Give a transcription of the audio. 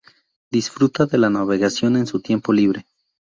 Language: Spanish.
Disfruta de la navegación en su tiempo libre.